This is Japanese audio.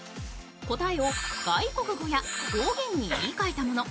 答えを外国語や方言に言いかえたもの